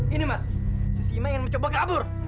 ini mas si sima ingin mencoba kabur